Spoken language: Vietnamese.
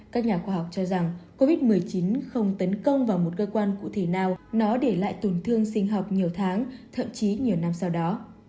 các nhà khoa học cho rằng covid một mươi chín không tấn công vào một cơ quan cụ thể nào nó để lại tổn thương sinh học nhiều tháng thậm chí nhiều năm sau đó